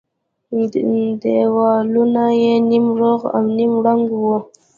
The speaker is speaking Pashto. دېوالونه يې نيم روغ او نيم ړنگ وو.